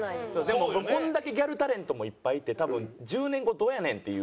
でもこんだけギャルタレントもいっぱいいて多分１０年後どうやねん？っていう話も。